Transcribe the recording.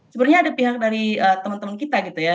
sebenarnya ada pihak dari teman teman kita gitu ya